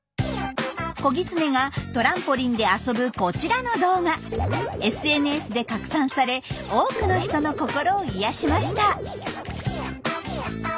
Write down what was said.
子ギツネがトランポリンで遊ぶこちらの動画ＳＮＳで拡散され多くの人の心を癒やしました。